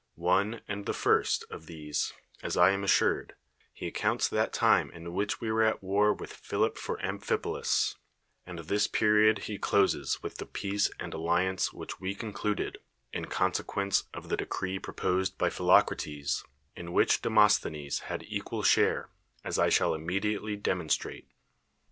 One, and the first, of these (as I am assurtHb) he accounts that time in which we were at war with Philip for Amphipolis; and this period ho closes with the peace and alliance which we coticliuii'd, in consequence of the decree proposed by Pliilo crates, in wiiich Demosthenes had e(|ual slian\ as I shall immediately demonslratt